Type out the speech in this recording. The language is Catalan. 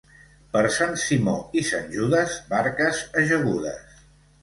Per Sant Simó i Sant Judes, barques ajagudes.